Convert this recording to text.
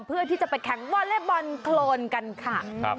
เพื่อที่จะไปแข่งวอเล็กบอลโครนกันค่ะ